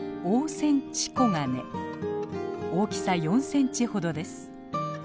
大きさ４センチほどです。